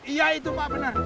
iya itu pak bener